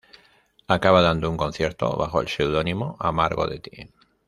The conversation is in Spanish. Acaba dando un concierto bajo el pseudónimo "Amargo de ti".